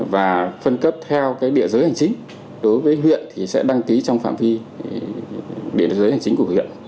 và phân cấp theo địa giới hành chính đối với huyện thì sẽ đăng ký trong phạm vi địa giới hành chính của huyện